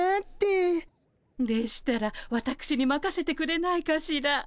でしたらわたくしにまかせてくれないかしら。